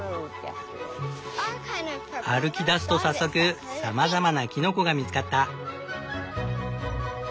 歩きだすと早速さまざまなキノコが見つかった。